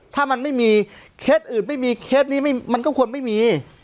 ถ้ามันไม่มีเคสอื่นไม่มีเคสนี้มันก็ควรไม่มี